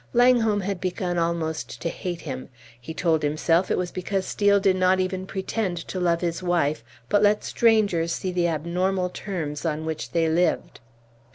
Langholm had begun almost to hate him; he told himself it was because Steel did not even pretend to love his wife, but let strangers see the abnormal terms on which they lived.